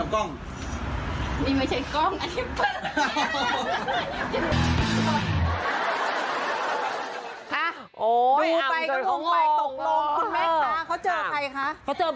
ออใช่ไงกูจะกินกับจ๊อป